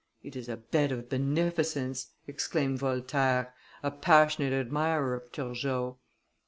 "It is a bed of beneficence!" exclaimed Voltaire, a passionate admirer of Turgot.